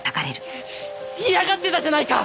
嫌がってたじゃないか！